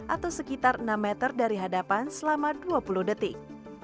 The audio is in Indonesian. atau sekitar enam meter dari hadapan selama dua puluh detik